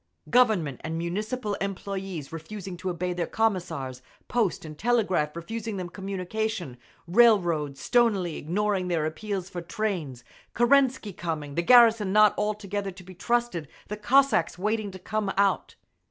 Government and Municipal employees refusing to obey their Commissars, post and telegraph refusing them communication, railroads stonily ignoring their appeals for trains, Kerensky coming, the garrison not altogether to be trusted, the Cossacks waiting to come out….